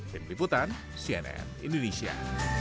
tim liputan cnn indonesia